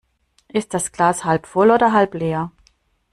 Ist das Glas halb voll oder halb leer?